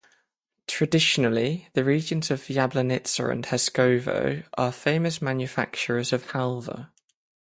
Traditionally, the regions of Yablanitsa and Haskovo are famous manufacturers of halva.